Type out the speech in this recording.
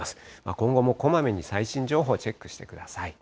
今後もこまめに最新情報チェックしてください。